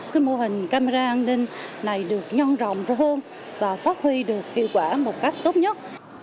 cái mô hình camera an ninh này được nhân rộng hơn và phát huy được hiệu quả một cách tốt nhất